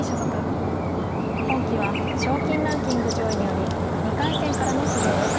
今期は賞金ランキング上位により２回戦からの出場です。